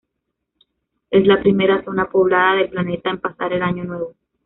Es la primera zona poblada del planeta en pasar el año nuevo.